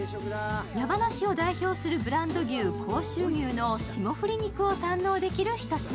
山梨を代表するブランド牛・甲州牛の霜降り肉を堪能できるひと品。